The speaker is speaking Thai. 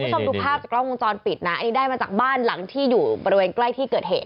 เดี๋ยวผู้ชมดูภาพจากราวโมงกรอนปิดนะอันนี้ได้มันจากบ้านหลังที่อยู่ประเทศที่เกิดเหตุ